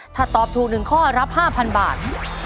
ถ้าตอบถูก๑ข้อรับ๕๐๐บาท